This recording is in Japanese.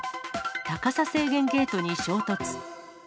高さ制限ゲートに衝突。